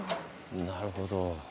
なるほど。